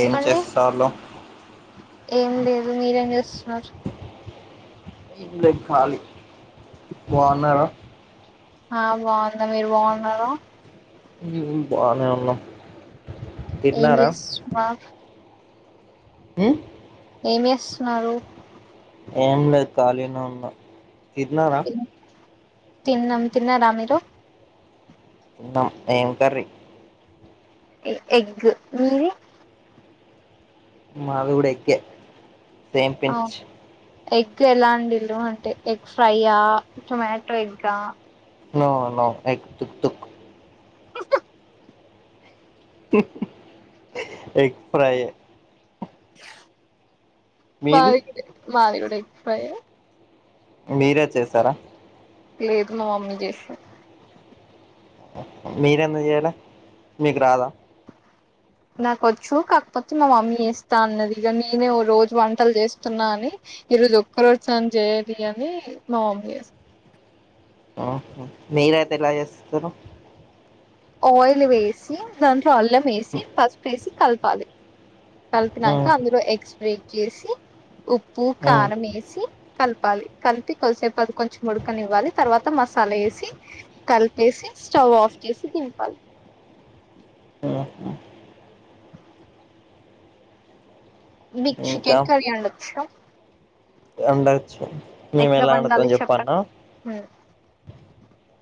ఏమి చేస్తున్నావ్ ఏం లేదు మీరేం చేస్తున్నారు ఎం లే ఖాళీ బాగున్నారా ఆ బాగున్న మీరు బాగున్నార బానే ఉన్నాం తిన్నారా ఏంచేస్తునావ్ ఉ ఏం చేేస్తున్నారు అవును తిన్నారా తిన్- తిన్నాం తిన్నారా మీరు తిన్న ఏం కర్రీ ఎగ్గు మీది మాది గూడ ఎగ్ ఏ సేమ్ అవును పించ్ ఎగ్ ఎలా అండీలు అంటే ఎగ్ ఫ్రైయా టొమాటో ఎగ్గా న నవు ఎ దూక్ తూక్ ఎగ్ ప్రై మీది బది మది కూడా ఎగ్ ఫ్రై ఎ మీరే చేశార లేదు మా మమ్మీ చేసి మీర ఎందూకు చేయాలే మీకు రాదా నాక వచ్చు కాకపోతే మా మమ్మీ ఏస్తా అన్నది ఇక నేనే ఓ రోజు వంటలు చేస్తున్నా అని ఈరోజు ఒక్కరు [unintelligible] జయది అని మా ఆ మీరైతే ఎలా చేస్తరు ఆయిల్ వేసి దాంట్లో అల్లం వేసి పసుపు పేసి కలపాల కలిపినాక ఉమ్, అందులో ఎగ్ స్ప్రేక్ చేసి ఉప్పు ఉమ్, కారం వేసి కలిపు లిపి కలిపి కొనిసేపు అది కొంచెం ఉడకనివ్వాలి తర్వాత మసాలా ఎసి కలపేసి స్టవ్ [unintelligible] [unintelligible] ఉమ్. మీకు చికెన్ కర్రీ ఉండొచ్చ ఉండచ్చు మేము ఎట్లా ఎలా వండాలి వండుతామో చేపల్న చెప్పండి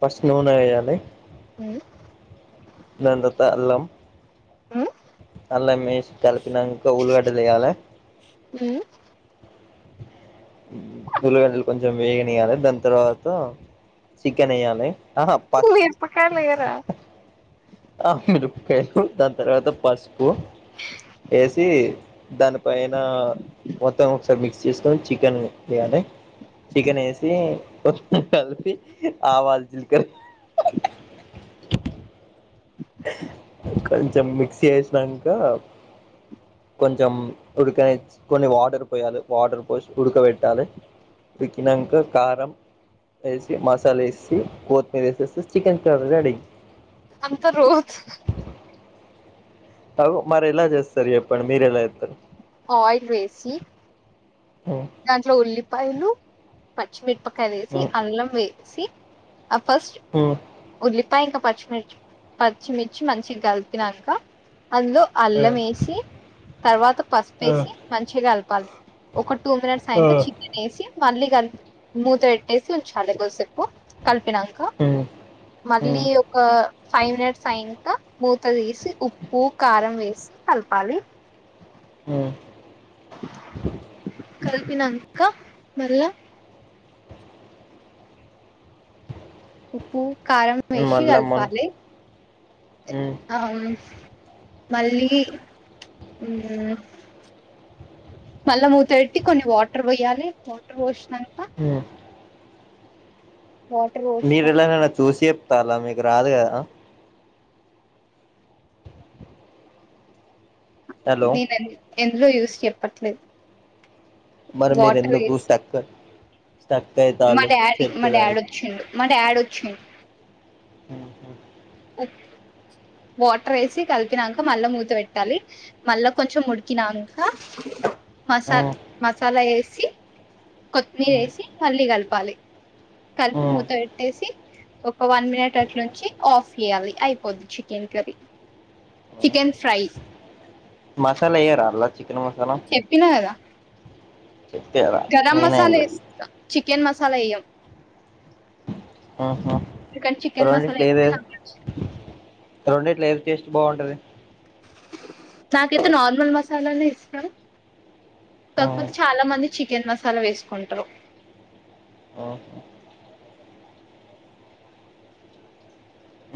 ఫస్ట్ నూనెలో వేయాలి ఉ [unintelligible] అలా మేసి కల్పినంక ఉలిగడ్డ తెయాలి ఉల్లిగడ్డలు కొంచెం వేగనియ్యాలి దాని తర్వాత చికెన్ ఎయ్యాలే ఆహా ప మిరపకాయలు వేయరా ఆ మీరు దాని తర్వాత పసుపు వేసి దానిపైన మొత్తం ఒకసారి మిక్స్ చేసుకొని చికెన్ ఏయాలే చికెన్ వేసి పసుపు కలిపి ఆవాలు జీలకర కొంచెం మిక్సు చేసినాక కొంచెం ఉడకని కొన్ని వాటర్ పోయాలి వాటర్ పో ఉడకబెట్టాలే ఉడికినంక కారం వేసి మసాలా వేసి కొత్తిమీర వేసేసి చికెన్ కర్రీ రెడి అంత రోజు [unintelligible] మారి ఎలా చేస్తారు చెప్పండి మీరు ఎలా చేతరు ఆయిల్ వేసి దాంట్లో ఉల్లిపాయలు పచ్చిమిరపకాయ వేసి అల్లం వేసి ఆ ఫస్ట్ ఉల్లిపాయ ఇంకా పచ్చిమిర్చి పచ్చిమిర్చి మంచిగా కలిపినంక అందులో అల్లం వేసి తర్వాత పసుపేసి మంచిగా కలపాలి ఒక టూ మినిట్స్ అయక చికెన్ వేసి మళ్ళీ కలిపి మూత పెట్టేసి ఉంచాలి కొసేపు కలిపినక మళ్ళీ ఒక ఫైవ్ మినిట్స్ అయిక మూత తీసి ఉప్పు కారం వేసి కలపాలి ఉ కలిపినంక మళ్ళ ఉప్పు కారం వేసి మళ్ళా మన కలపాలి అ మళ్ళీ ఉ మళ్ళా మూత పెట్టి కొన్ని వాటర్ పోయాలి వాటర్ పోసినక మీరు పోసినాం ఎలాననా చూసి చెప్తారా మీకు రాదు కదా హలో నేను ఎం ఎందులో చూసి చెప్పట్లేదు మరి మీరు వాటర్ ఎందుకు వేసి స్టక్ స్టక్ మా అయితాళ్ళు డాడీ మా డాడ్ చెప్పుడానికి ఒచ్చిండు మా డాడ్ ఒచ్చిండు ఉహు అఓ వాటర్ వేసి కలిపినాక మళ్ళా మూత పెట్టాలి మళ్ళా కొంచెం ముడికినంక మసా మసాలా వేసి కొత్తిమీర వేసి మల్లీ కలపాలి కలిపి మూత పెట్టేసి ఒక వన్ మినిట్ అట్ల ఉంచి ఆఫ్ తీయాలి అయిపొద్ది chicken curry chicken fry masala ఏయర ఆళ్ల చెప్పినా కదా చెప్తారా గరం నేనే ఏం లే మసాలేస్త చికెన్ మసాలా వెయ్యం ఆ చన్ చికెన్ మసాలా ఇ రెండిట్లో ఏది టేస్ట్ బాగుంటది నాకైతే నార్మల్ మసాలానే ఇష్టం కాకపోతే చాలా మంది చికెన్ మసాలా వేసుకుంటారు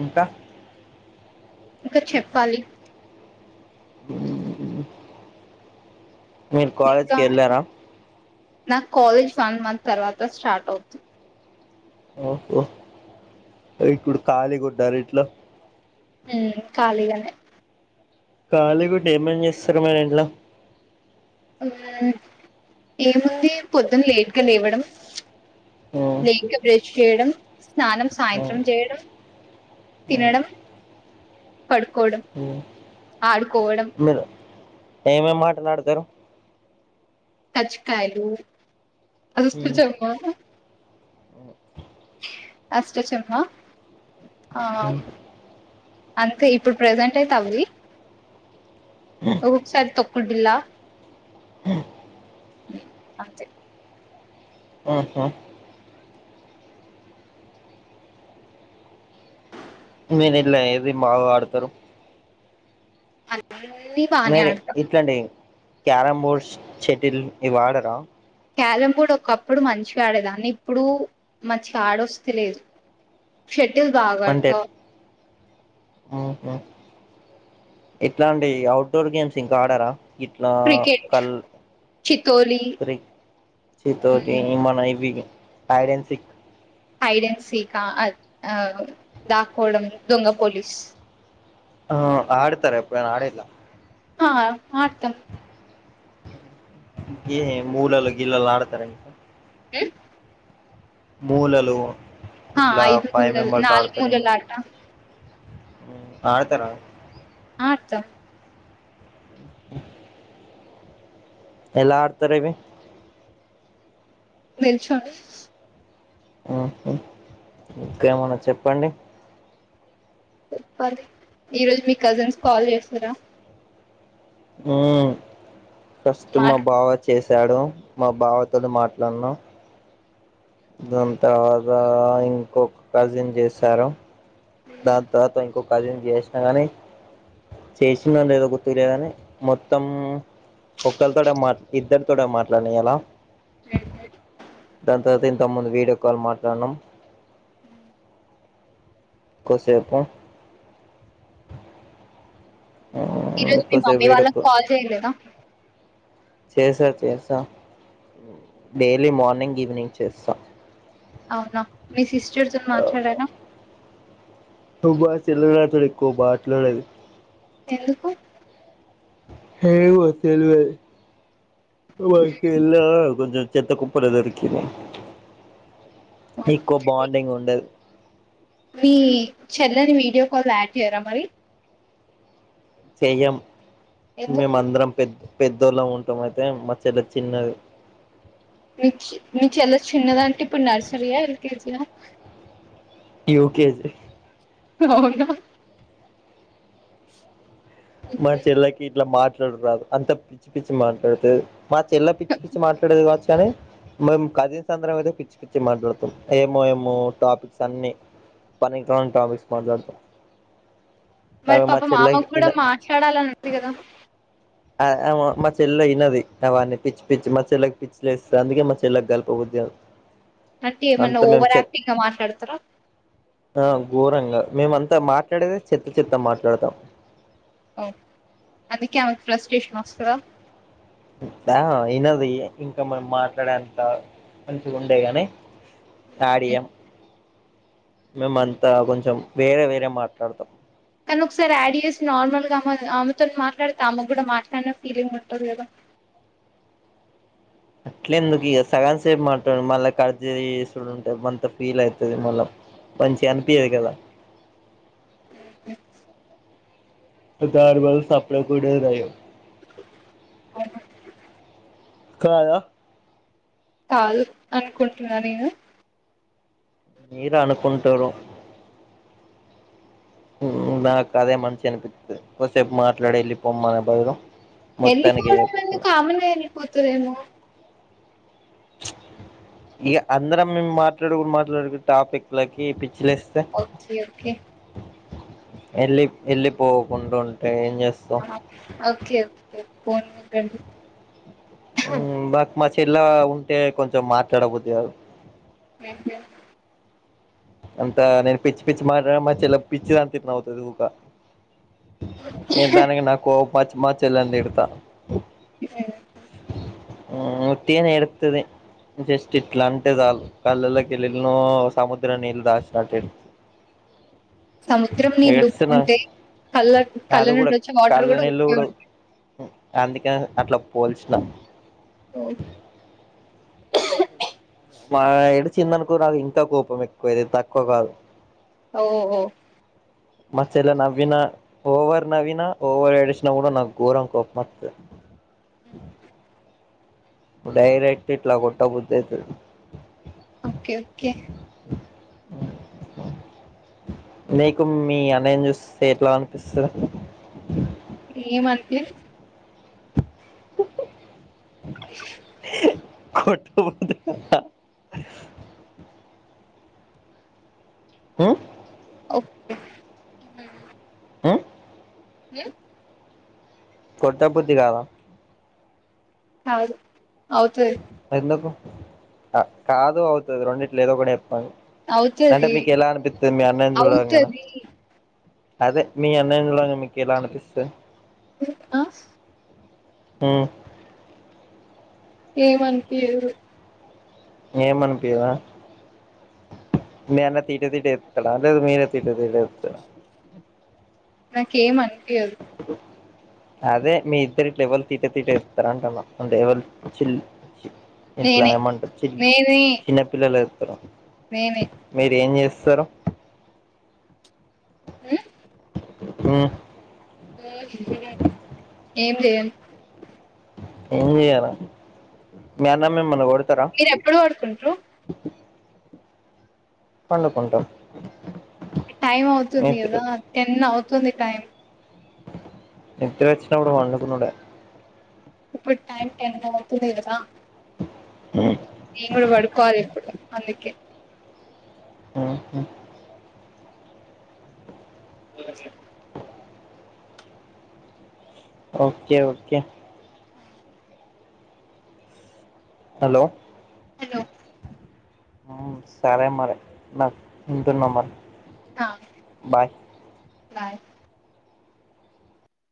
ఇంకా ఇంకా చెప్పాలి మీరు ఇంకా కాలేజ్కి వెళ్ళారా నాకు కాలేజ్ వన్ మంత్ తర్వాత స్టార్ట్ అవుతుంది ఓహో ఇప్పుడు ఖాళీగా ఉన్నారా ఇంట్లో ఖాళీగానే ఖాళీ గుంటే ఏం పని చేస్తారు మీరు ఇంట్లో ఏముంది పొద్దున్న లేట్గా లేవడం లేట్గా బ్రష్ చేయడం స్నానం సాయంత్రం చేయడం తినడం పడుకోవడం ఆడుకోవడం ఎమ్ ఎమ్ ఆటలు ఆడతారు కచీకాయలు అష్ట చమ్మ అష్ట చమ్మ ఆ అంతే ఇప్పుడు ప్రెజెంట్ అయితే అవి ఒక్కోసారి తొక్కుడు బిళ్ళ అంతే మీరు దీంట్లో ఏది బాగా ఆడతారు అన్నీ బానే మీరి ఆడతా ఇట్లాండి క్యారం బోర్డ్స్ షటిల్ ఇవి ఆడరా క్యారం బోర్డ్ ఒకప్పుడు మంచిగా ఆడేదాన్ని ఇప్పుడు మంచిగా ఆడొస్తే లేదు షటిల్ బాగా ఆడతా ఓకే ఇట్లాండి ఔట్డోర్ గేమ్స్ ఇంకా ఆడరా ఇట్లా క్రికెట్ కల్ చితోలి ప్రీ తోటి hide and seek hide and seek ఆ అది ఆ దాక్కోవడం దొంగ పోలీస్ ఆ ఆడతార ఎప్పుడైన ఆడిల్లా ఆ ఆడతాం ఈ గీ మూలాలు గీలలు ఆడుతారా ఇంకా హ్మ్ మూలలు ఆ ఇట్లా ఐదు ఫైవ్ మూలలు మెంబర్స్ నాలుగు ఆడతారు మూలల ఇంకా ఆట ఆడతార ఆడతాం [inaudible] ఎలా ఆడతార్ ఇవి నిల్చోని హ్మ్ హు ఇంకేమన్నా చెప్పండి చెప్పాలి ఈరోజు మీ కజిన్స్ కాల్ చేసారా ఉమ్ ఫస్టు మా మాట్ బావ చే చేశాడు మా బావ తోటి మాట్లాడినా దాని తర్వాత ఇంకొక కజిన్ చేసారు దాని తర్వాత ఇంకొక కజిన్ చేసిన గాని చేసింనానో లేదో గుర్తు లేదని మొత్తం ఒకక్కల్ తోటే మాట్ ఇద్దరు తోటే మాట్లాడినా ఇయ్యాల దాని తరువాత తమ్ముంది వీడియో కాల్ మాట్లాడినాం కొసేపు ఈరోజు మీ మమ్మీ వాళ్ళకి కాల్ చేయ్యలేదా చేసా చేసా డైలీ మార్నింగ్ ఈవినింగ్ చేస్తా అవునా మీ సిస్టర్తోని మాట్లాడారా మా చెల్లి నాతోని ఎక్కువ మాట్లాడదు ఎందుకు ఏమో తెలీదు మా చెల్లి కొంచెం చెత్త కుప్పలో దొరికింది ఎక్కువ మీ బాండింగ్ ఉండదు మీ చెల్లెని వీడియో కాల్ యాడ్ చేయ్యరా మరి చెయ్యం మేమ ఎందుకు అందరం పెద్ద పెద్దోళ్ళ ఉంటాం అయితే మా చెళ్ళి చిన్నది ప్చ్ మీ చెల్లి చిన్నది అంటే ఇప్పుడు నర్సరీయా ఎల్కేజీయా యూకేజీ అవునా మా చెల్లకి ఇట్లా మాట్లు మాట్లాడ రాదు అంత పిచ్చి పిచ్చి మాట్లాడుతే మా చెల్లి పిచ్చి పిచ్చి మాట్లాడేది కావచ్చు కానీ మేము కజిన్స్ అందరం అయితే పిచ్చి పిచ్చి మాట్లాడుతాం ఏమో ఏమో టాపిక్స్ అన్ని పనికిరాని టాపిక్స్ మాట్లాడతాం మరి అవి మా పాపమ్ చెల్లకి ఆమెకు కూడా ఇన మాట్లాడాలని ఉంటంది కదా మా చెల్ల వినది అవన్ని పిచ్చి పిచ్చి మా చెల్లకి పిచ్చి లేస్తంది అందుకే మా చెల్లకి కలపదు అంటే ఏమన్నా అంత ఓవర్ నుంచే యాక్టింగ్ గా మాట్లాడతారా ఆ ఘోరంగా మేమంతా మాట్లాడేద చెత్త చెత్తా మాట్లాడతాం ఓ అందుకే ఆమెకు ఫ్రస్టేషన్ వస్తదా ఆ ఇనదు ఇంకా మనం మాట్లాడేంత మంచిగా ఉండే గాని తాడియం మేమంత కొంచెం వేరే వేరే మాట్లాడతాం కానీ ఒకసారి యాడ్ చేసి నార్మల్గా అమ్ ఆమెతో మాట్లాడితే ఆమెకు కూడా మాట్లాడిన ఫీలింగ్ ఉంటుంది కదా [unintelligible] అట్లే ఎందుకు ఇక సగంసేపు మాట్లా మళ్ళా కట్ చేసుడు ఉంటాది మంత ఫీల్ అవుతది మళ్ళా, మంచిగా అనిపియదు, కదా [unintelligible] ఈ తరుమారు సపరేట్ కూడా పాయే అవును కదా కాలి అనుకుంటున్నా నేను మీరు అనుకుంటురు, నాకు అదే మంచి అనిపిస్తుంది కోసేపు మాట్లాడే వెళ్ళిపోమ్మనే ధైర్యం, వెళ్ళిపోవడం ఎందుకు ఆమెనే వెళ్ళిపోతదేమో, ఇగా అందరం మేము మాట్లాడుకు మాట్లాడుకునే టాపిక్లకిి, ఓకే ఓకే ఎళ్ళి ఎళ్ళి పోకుండా ఉంటే ఏం చేస్తాం ఓకే ఓకే [unintelligible] ఉ నాకూ మా చెల్లా ఉంటే కొంచెం మాట్లాడబుదికాదు, అంతే అంతా నేను పిచ్చి పిచ్చి మాట్లాడుతే మా చెల్లె పిచ్చిది అనుకుంటా నవ్వుతాది, ఊకా ఏ తానికి నాకూ కోపం వచ్చి మా చెల్లె ని తిడతా, [unintelligible] ఉత్తిగానే ఏడ్తది జెస్టి ఇట్లా అంటే చాలు కళ్ళల్లో కేలి ఎనో సముద్ర నీళ్లు దాశినట్టు, [unintelligible] సముద్రం నీళ్లు ఉప్పు ఏడుస్తున్న ఉంటాయి కళ్ళ కళ్ళ నుండి వచ్చే వాటర్ కూడా ఉప్పె ఉంటాంది, అందుకనే అట్లా పోల్చిన ఓ మా ఏడిచిందనుకో రాదు ఇంకా కోపం ఎక్కువ అయితది తక్కువ కాదు, ఓహో మా చెల్లె నవీన ఓవర్ నవీన ఓవర్ ఏడిశిన కూడా నాకూ గోరంగా కోపం వస్తాది, [unintelligible] డైరెక్ట్ ఇట్లా కోట్టబుద్ది అయితది, ఓకే ఓకే [unintelligible] నీకు మీ అన్నయ్య ని చూస్తే ఎట్లా అనిపిస్తాది, ఎం అనిపియదు కొట్టబుద్ది కదా హు ఓకే అ ఉ కొట్టబుద్ది కాదా కాదు అవుతది, ఎందుకు ఆ కాదు అవుతది రెండిట్లా ఏదో ఒకటి చెప్పండి, అంటే అవుతది మీకు ఎలా అనిపితది మీ అన్నయ్య ని చూడంగానే, అవుతది అదే మీ అన్నయ్య ని చూడంగానే మీకు ఎలా అనిపిస్తది, ఆ ఉ ఎం అనిపియ్యదు, ఎం అనిపియ్యదు మీ అన్నయ్య తిట తిట చెప్తాడా లేదు మీరే తిట తిట చెప్తారా, నాకేం అనిపియ్యదు, అదే మీ ఇద్దరు ఇట్లా ఎవరు తిటే తిట్టే ఇస్తార అంటున్నా అంటే ఎవరు చిల్ ఇట్లా నేనే ఏమంటారు చి నేనే చిన్నపిల్లలు వేస్తారు నేనే మీర ఏం చేస్తరూ సర ఉమ్ ఆమ్ ఏం చెయరు ఏం చేయాల మీ అన్నా మిమల్ని కోడు మీరు ఎప్పుడు పడుకుంటారు పడుకుంటాం టైం అవుతుంది కదా టెన్ అవుతుంది టైం నిద్రొచ్చినపుడు పండుకొనుడె ఇప్పుడు టైమ్ టెన్ అవుతుంది కదా హ నేను కూడా పడుకోవాలి ఇప్పుడు అందుకే ఆ అఓే ఓకే ఓకే హలో హలో సరే మరి నాకు ఉంటున్నా మరి బాయ్ బాయ్